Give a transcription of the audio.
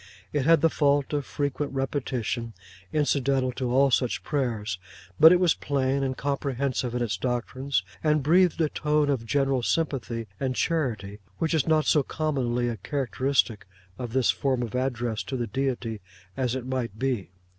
It had the fault of frequent repetition, incidental to all such prayers; but it was plain and comprehensive in its doctrines, and breathed a tone of general sympathy and charity, which is not so commonly a characteristic of this form of address to the Deity as it might be.